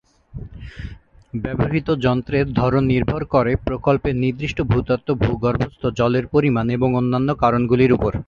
ব্যবহৃত যন্ত্রের ধরন নির্ভর করে প্রকল্পের নির্দিষ্ট ভূতত্ত্ব, ভূগর্ভস্থ জলের পরিমাণ এবং অন্যান্য কারণগুলির উপর।